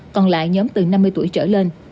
còn lại nhóm từ năm mươi tuổi trở lên